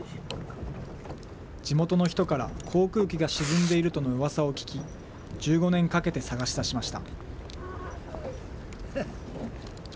地元の人から、航空機が沈んでいるとのうわさを聞き、１５年かけて探し出しました。